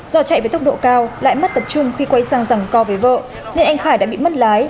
do chạy với tốc độ cao lại mất tập trung khi quay sang rẳng co với vợ nên anh khải đã bị mất lái